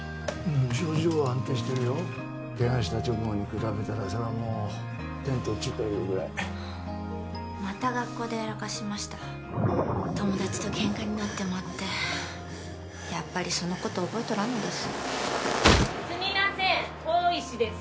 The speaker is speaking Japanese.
症状は安定してるよケガした直後に比べたらそれはもう天と地というぐらいまた学校でやらかしました友達とケンカになってまってやっぱりそのこと覚えとらんのですすみません大石です